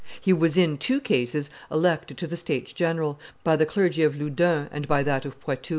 He was in, two cases elected to the states general, by the clergy of Loudun and by that of Poitou.